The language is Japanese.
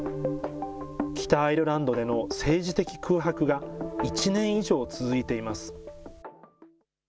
北アイルランドでの政治的空白が１年以上続いています。